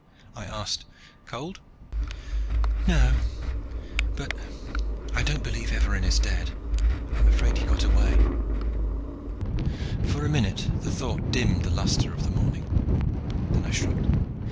I asked, "Cold?" "No, but I don't believe Evarin is dead, I'm afraid he got away." For a minute the thought dimmed the luster of the morning. Then I shrugged.